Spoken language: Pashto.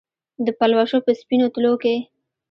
د پلوشو په سپینو تلو کې